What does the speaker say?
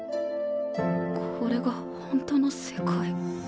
これがほんとの世界？